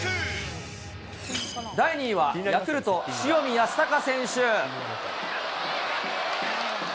第２位はヤクルト、塩見泰隆選手。